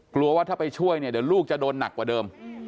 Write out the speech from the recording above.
กลัวว่าถ้าไปช่วยเนี่ยเดี๋ยวลูกจะโดนหนักกว่าเดิม